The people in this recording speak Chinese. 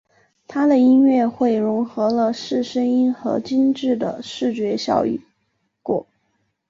他的音乐会融合了四声音和精致的视觉效果。